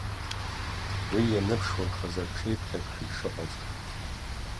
Уи ианыԥшуан хазы рҽыԥхьакшәа ишыҟаз.